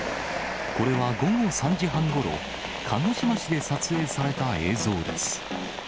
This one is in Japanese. これは午後３時半ごろ、鹿児島市で撮影された映像です。